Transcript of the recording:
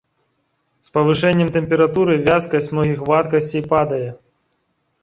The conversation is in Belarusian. З павышэннем тэмпературы вязкасць многіх вадкасцей падае.